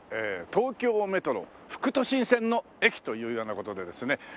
東京メトロ副都心線の駅というような事でですね。